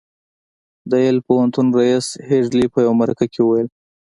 د يل پوهنتون رييس هيډلي په يوه مرکه کې وويل.